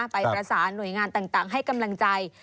ไปประสานหน่วยงานต่างให้กำลังใจ